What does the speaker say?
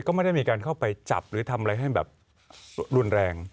ก็ไม่ได้มีการเข้าไปจับหรือทำอะไรให้แบบรุนแรง